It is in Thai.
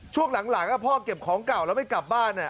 ช่วงหลังพ่อเก็บของเก่าแล้วไม่กลับบ้าน